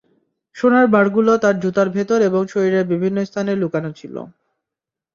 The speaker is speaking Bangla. সোনার বারগুলো তাঁর জুতার ভেতর এবং শরীরের বিভিন্ন স্থানে লুকানো ছিল।